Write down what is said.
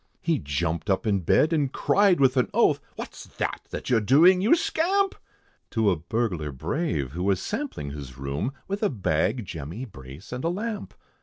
He jumped up in bed, and he cried with an oath, "What's that, that you're doing, you scamp?" To a burglar brave, who was sampling his room, With a bag, jemmy, brace, and a lamp.